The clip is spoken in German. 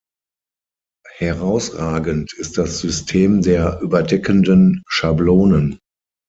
Herausragend ist das System der "überdeckenden Schablonen".